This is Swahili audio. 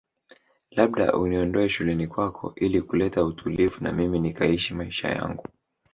Labda uniondoe shuleni kwako ili kuleta utulivu na mimi nikaishi maisha yangu